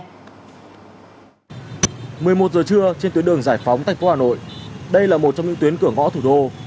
một mươi một giờ trưa trên tuyến đường giải phóng thành phố hà nội đây là một trong những tuyến cửa ngõ thủ đô